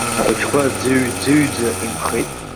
Ахәыҷқәа ӡыҩ-ӡыҩӡа инхеит.